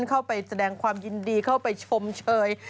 เข้าไปแสดงความยินดีเข้าไปชมเชย